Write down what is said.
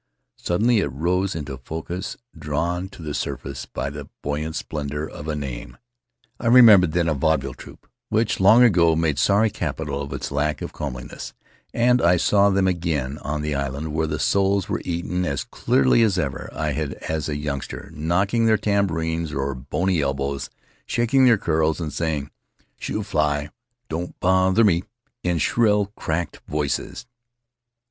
Sud denly it rose into focus, drawn to the surface by the buoyant splendor of a name — the Cherry Sisters. I remembered then a vaudeville troupe which long ago made sorry capital of its lack of comeliness; and I saw them again on the island where the souls were eaten as clearly as ever I had as a youngster, knocking their tambourines on bony elbows, shaking their curls, and singing "Shoe, fly, don't bother me," in shrill, cracked voices.